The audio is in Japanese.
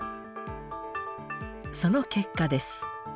その結果です。